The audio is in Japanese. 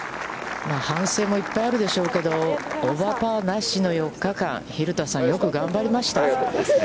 反省もいっぱいあるでしょうけど、オーバーパーなしの４日間、蛭田さん、よく頑張りました。